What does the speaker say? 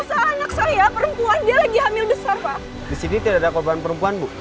masa anak saya perempuan dia lagi hamil besar pak di sini tidak ada korban perempuan bu